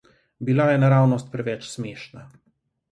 Bila je naravnost preveč smešna.